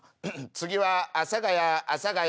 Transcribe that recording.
次は阿佐ケ谷阿佐ケ谷。